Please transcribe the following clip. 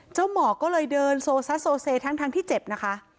หมอก็เลยเดินโซซัสโซเซทั้งที่เจ็บนะคะ